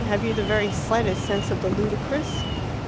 Have you the very slightest sense of the ludicrous?"